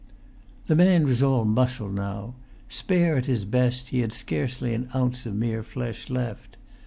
The man was all muscle now; spare at his best, he had scarcely an ounce of mere flesh left.